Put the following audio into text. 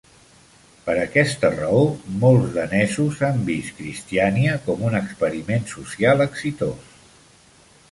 Per aquesta raó, molts danesos han vist Christiania com un experiment social exitós.